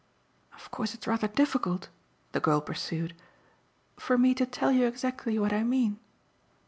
Of course it's rather difficult," the girl pursued, "for me to tell you exactly what I mean."